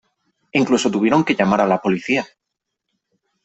Incluso tuvieron que llamar a la policía.